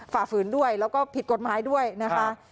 ฝ่าฝืนด้วยแล้วก็ผิดกฎหมายด้วยนะคะ